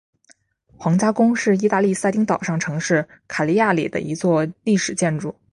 皇家宫是义大利撒丁岛上城市卡利亚里的一座历史建筑。